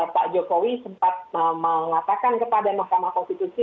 pak jokowi sempat mengatakan kepada mahkamah konstitusi